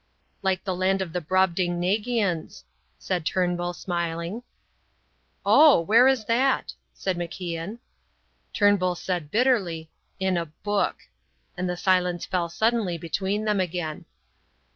"Like the land of the Brobdingnagians," said Turnbull, smiling. "Oh! Where is that?" said MacIan. Turnbull said bitterly, "In a book," and the silence fell suddenly between them again.